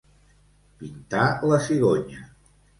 Pintar la cigonya.